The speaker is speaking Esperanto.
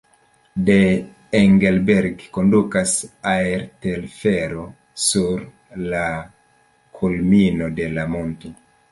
De Engelberg kondukas aertelfero sur la kulmino de la monto.